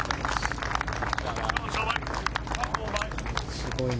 すごいな。